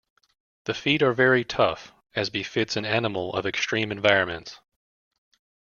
The feet are very tough, as befits an animal of extreme environments.